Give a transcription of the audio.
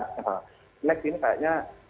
nek ini kayaknya ke depan bisa jadi begini ini